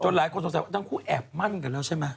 หลายคนสงสัยว่าทั้งคู่แอบมั่นกันแล้วใช่ไหม